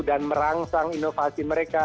dan merangsang inovasi mereka